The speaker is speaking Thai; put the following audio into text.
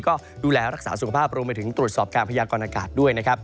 ก็ดูแลรักษาสุขภาพรวมไปถึงตรวจสอบการพยากรณากาศด้วยนะครับ